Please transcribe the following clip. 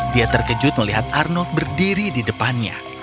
dia terkejut melihat arnold berdiri di depannya